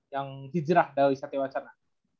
yang dijerah dari satya watsana